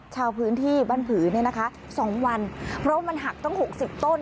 ชาวพื้นที่บ้านผืนเนี่ยนะคะสองวันเพราะว่ามันหักตั้งหกสิบต้น